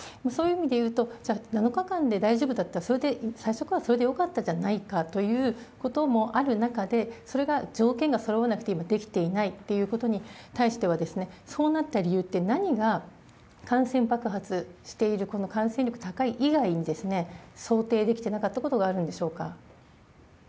そういう意味でいうと、じゃあ７日間で大丈夫だったら、最初からそれでよかったじゃないかということもある中で、それが条件がそろわなくて、今できていないっていうことに対しては、そうなった理由って、何が感染爆発している、この感染力高い以外に、想定できていなかったことがあるんでしょうか？